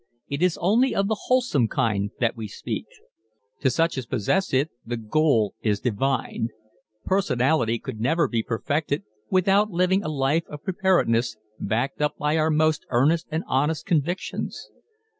It is only of the wholesome kind that we speak. To such as possess it the goal is divine. Personality could never be perfected without living a life of preparedness backed up by our most earnest and honest convictions.